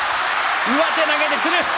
上手投げで振る。